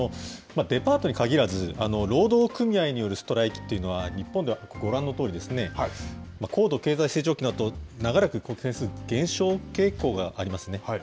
デパートにかぎらず、労働組合によるストライキっていうのは、日本ではご覧のとおり、高度経済成長期のあと、長らく減少傾向がありますね。